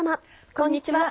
こんにちは。